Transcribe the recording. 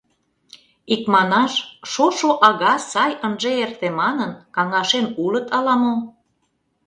Икманаш, шошо ага сай ынже эрте манын, каҥашен улыт ала-мо?..